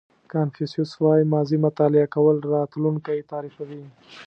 کانفیوسیس وایي ماضي مطالعه کول راتلونکی تعریفوي.